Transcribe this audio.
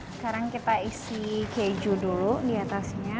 sekarang kita isi keju dulu di atasnya